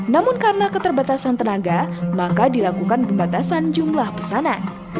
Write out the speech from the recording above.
namun karena keterbatasan tenaga maka dilakukan pembatasan jumlah pesanan